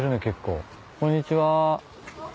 あっこんにちは。